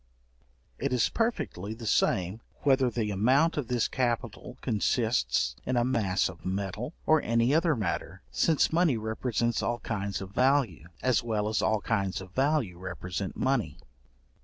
It is perfectly the same whether the amount of this capital consists in a mass of metal, or any other matter, since money represents all kinds of value, as well as all kinds of value represent money.